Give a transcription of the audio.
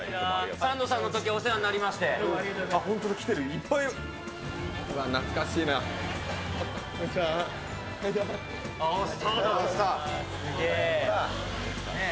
サンドさんのときお世話になりましていらっしゃいませ！